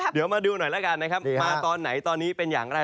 เดี๋ยวมาดูหน่อยแล้วกันนะครับมาตอนไหนตอนนี้เป็นอย่างไร